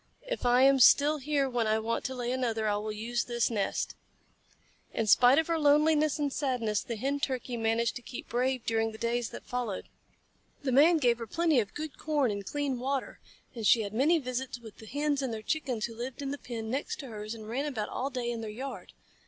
"If I am still here when I want to lay another, I will use this nest." In spite of her loneliness and sadness, the Hen Turkey managed to keep brave during the days that followed. The Man gave her plenty of good corn and clean water, and she had many visits with the Hens and their Chickens who lived in the pen next to hers and ran about all day in their yard.